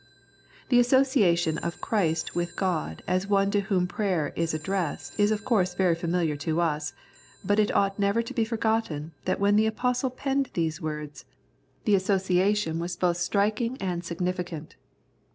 The association of Christ with God as One to Whom prayer is addressed is of course very familiar to us, but it ought never to be forgotten that when the Apostle penned these words the association 4 Grace and Holiness was both striking and significant.